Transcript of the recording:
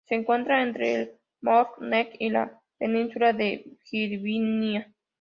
Se encuentra entre el Northern Neck y la península de Virginia.